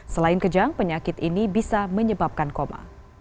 selain kejang penyakit ini bisa menyebabkan koma